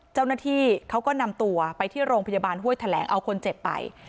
เจ้าหน้าที่เขาก็นำตัวไปที่โรงพยาบาลห้วยแถลงเอาคนเจ็บไป